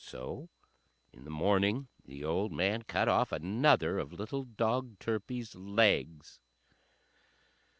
So in the morning the old man cut off another of little dog Turpie's legs.